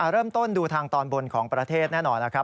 เริ่มต้นดูทางตอนบนของประเทศแน่นอนแล้วครับ